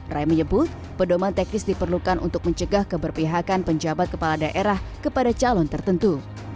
rai menyebut pedoman teknis diperlukan untuk mencegah keberpihakan penjabat kepala daerah kepada calon tertentu